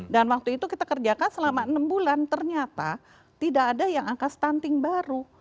dan waktu itu kita kerjakan selama enam bulan ternyata tidak ada yang angka stunting baru